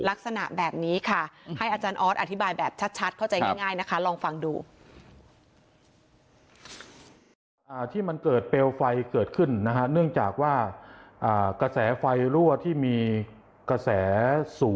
ลักษณะแบบนี้ค่ะให้อาจารย์ออสอธิบายแบบชัดเข้าใจง่ายนะคะลองฟังดู